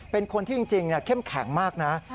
เป็นคนที่จริงเข้มแข็งมากนะ